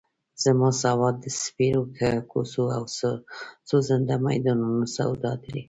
زما سواد د سپېرو کوڅو او سوځنده میدانونو سواد دی.